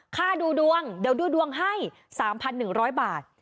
ค่าดูดวงเดี๋ยวดูดวงให้๓๑๐๐บาท